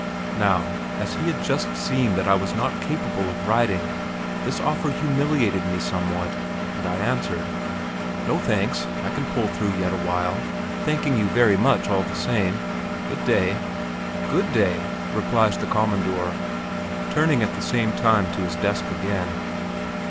Now, as he had just seen that I was not capable of writing, this offer humiliated me somewhat, and I answered: "No, thanks; I can pull through yet a while, thanking you very much, all the same. Good day!" "Good day!" replies the "commandor," turning at the same time to his desk again.